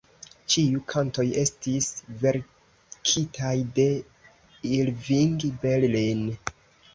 Ĉiu kantoj estis verkitaj de Irving Berlin.